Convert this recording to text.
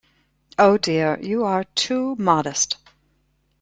Oh, dear, you are too modest.